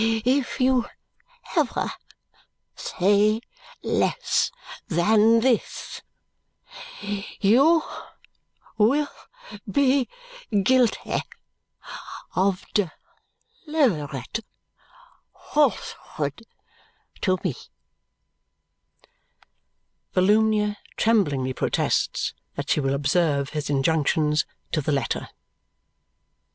If you ever say less than this, you will be guilty of deliberate falsehood to me." Volumnia tremblingly protests that she will observe his injunctions to the letter.